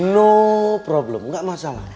no problem ga masalah